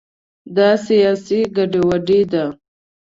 دا سیاسي ګډوډي ده.